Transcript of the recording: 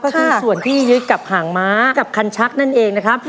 ก็คือส่วนที่ยึดกับหางม้ากับคันชักนั่นเองนะครับ